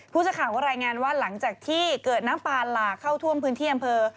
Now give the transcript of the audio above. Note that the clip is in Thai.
สักข่าวก็รายงานว่าหลังจากที่เกิดน้ำปลาหลากเข้าท่วมพื้นที่อำเภอ